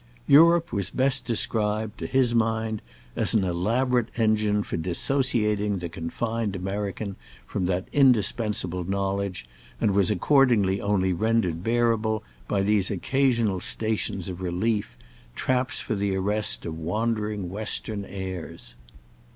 Europe was best described, to his mind, as an elaborate engine for dissociating the confined American from that indispensable knowledge, and was accordingly only rendered bearable by these occasional stations of relief, traps for the arrest of wandering western airs.